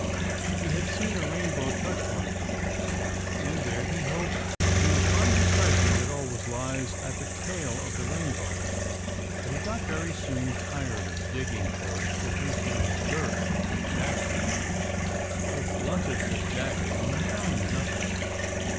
He had seen a rainbow touch one of them, and there he hoped he would find the treasure that always lies at the tail of the rainbow. But he got very soon tired of digging for it with his little dirk, or dagger. It blunted the dagger, and he found nothing.